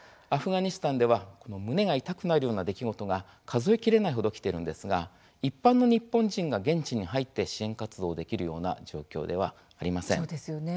アフガニスタンでは胸が痛くなる出来事が数えきれないほど起きているんですが一般の日本人が現地に入って支援活動ができるような状況ではありません。